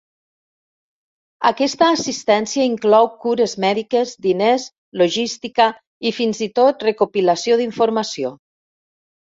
Aquesta assistència inclou cures mèdiques, diners, logística i fins i tot recopilació d'informació.